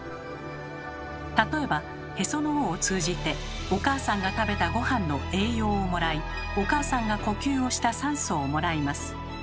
例えば「へその緒」を通じてお母さんが食べたごはんの栄養をもらいお母さんが呼吸をした酸素をもらいます。